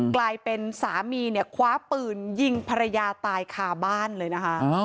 กลายเป็นสามีเนี่ยคว้าปืนยิงภรรยาตายคาบ้านเลยนะคะ